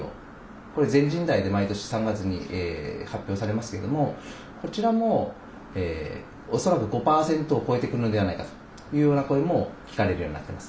これ、全人代で毎年３月に発表されますけどもこちらも、恐らく５％を超えてくるのではないかというような声も聞かれるようになっています。